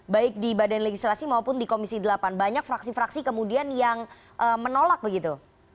baik di badan legislasi maupun di komisi delapan banyak fraksi fraksi kemudian yang menolak begitu